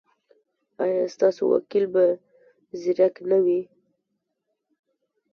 ایا ستاسو وکیل به زیرک نه وي؟